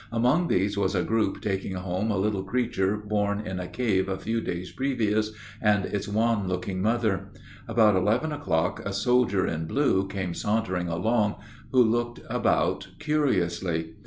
Among these was a group taking home a little creature born in a cave a few days previous, and its wan looking mother. About eleven o'clock a soldier in blue came sauntering along, who looked about curiously.